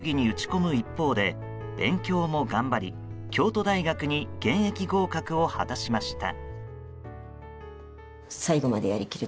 小学校のころから１０年間陸上競技に打ち込む一方で勉強も頑張り、京都大学に現役合格を果たしました。